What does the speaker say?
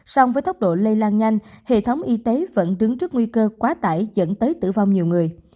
song với tốc độ lây lan nhanh hệ thống y tế vẫn đứng trước nguy cơ quá tải dẫn tới tử vong nhiều người